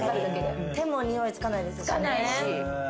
手もにおいつかないですしね。